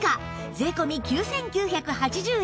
税込９９８０円